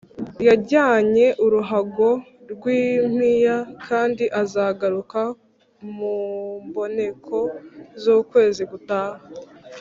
yajyanye uruhago rw’impiya, kandi azagaruka mu mboneko z’ukwezi gutaha”